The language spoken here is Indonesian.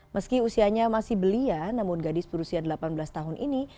meski usianya masih belia namun gadis berusia delapan belas tahun ini